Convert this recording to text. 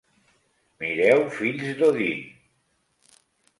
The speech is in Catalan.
Mireu Fills d'Odin.